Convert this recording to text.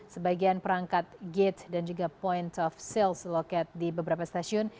sebagian perangkat gates dan juga point of sales loket di beberapa stasiun